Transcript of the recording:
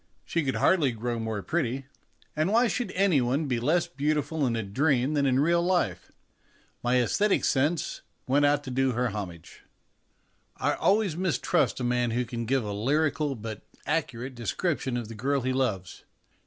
She could hardly grow more pretty ; and why should any one be less beautiful in a dream than in real life? My aesthetic sense went out to do her homage. I always mistrust a man who can give a lyrical, but accurate, description of the girl he loves.